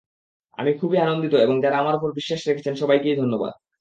আমি খুবই আনন্দিত এবং যাঁরা আমার ওপর বিশ্বাস রেখেছেন, সবাইকেই ধন্যবাদ।